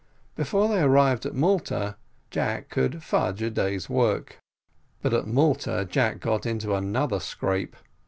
Before they arrived at Malta Jack could fudge a day's work. But at Malta Jack got into another scrape.